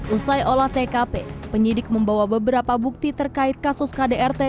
usai olah tkp penyidik membawa beberapa bukti terkait kasus kdrt